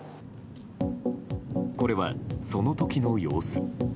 これは、その時の様子。